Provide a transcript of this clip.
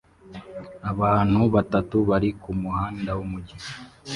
Abantu batatu bari kumuhanda wumujyi